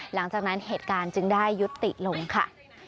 หลังจากนั้นเหตุการณ์จึงได้ยุติลงค่ะ